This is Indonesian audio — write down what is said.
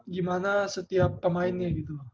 gimana setiap pemainnya gitu